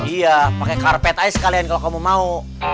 iya pakai karpet aja sekalian kalau kamu mau